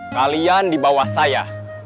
kalian dibawah saya